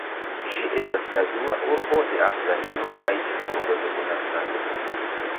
Ĝi estas la dua urbo de Afganio kaj ĉefurbo de komercado.